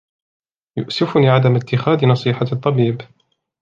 يؤسفُني عدم إتخاذ نصيحة الطبيب.